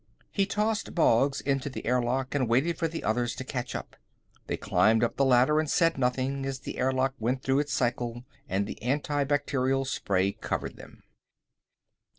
He tossed Boggs into the airlock and waited for the others to catch up. They climbed up the ladder and said nothing as the airlock went through its cycle and the antibacterial spray covered them.